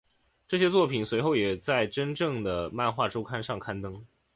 这些作品随后也在真正的漫画周刊上刊登。